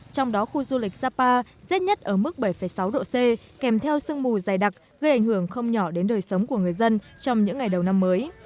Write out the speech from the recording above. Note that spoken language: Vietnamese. trong đó khu du lịch sapa rét nhất ở mức bảy sáu độ c kèm theo sương mù dày đặc gây ảnh hưởng không nhỏ đến đời sống của người dân trong những ngày đầu năm mới